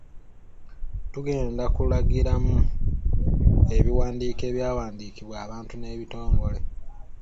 Tugenda kulagiramu ebiwandiiko ebyawandiikibwa abantu n’ebitongole.